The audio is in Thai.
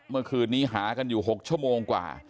เมื่อคืนนี้หากันอยู่๖ชั่วโมงกว่า